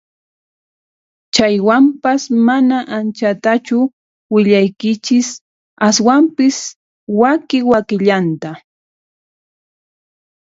Chaywanpas mana anchatachu willaykichis ashwampis waki wakillanta